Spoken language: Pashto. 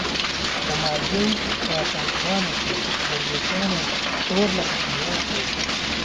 د مالدیو په ټاپوګانو کې دروېشان اور لکه حلوا خوړ.